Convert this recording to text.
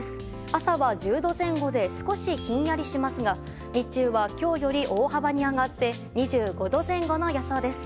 朝は１０度前後で少しひんやりしますが日中は今日より大幅に上がって２５度前後の予想です。